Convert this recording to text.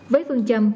với phương châm